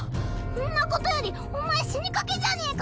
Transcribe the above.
んなことよりお前死にかけじゃねぇか。